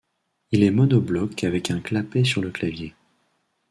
Il est monobloc avec un clapet sur le clavier.